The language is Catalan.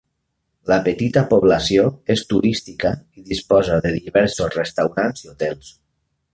La petita població és turística i disposa de diversos restaurants i hotels.